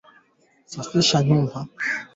Matumizi ya Viazi Vitamu kupikia uji